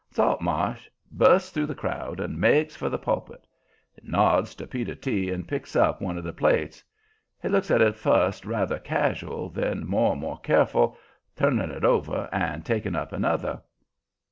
Saltmarsh busts through the crowd and makes for the pulpit. He nods to Peter T. and picks up one of the plates. He looks at it first ruther casual; then more and more careful, turning it over and taking up another.